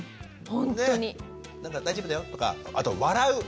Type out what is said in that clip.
「大丈夫だよ」とか。あと笑う。